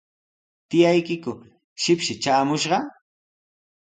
¿Tiyaykiku shipshi traamushqa?